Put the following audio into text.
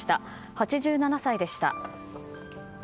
８７歳でした。